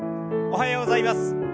おはようございます。